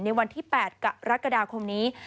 ในวันที่๘กรกฎาคมนี้